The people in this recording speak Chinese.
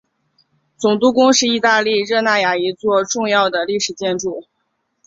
总督宫是意大利热那亚一座重要的历史建筑。